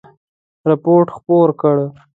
رپوټ خپور کړ.